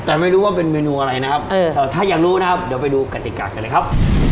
แต่ไม่รู้ว่าเป็นเมนูอะไรนะครับถ้าอยากรู้นะครับเดี๋ยวไปดูกติกากันเลยครับ